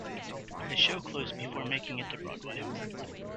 The show closed before making it to Broadway.